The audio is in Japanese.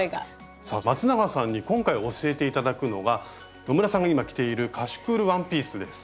まつながさんに今回教えて頂くのが野村さんが今着ているカシュクールワンピースです。